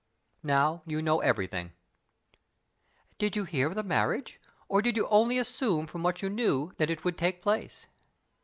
Now you know everything." "Did you hear of the marriage? or did you only assume from what you knew that it would take place?"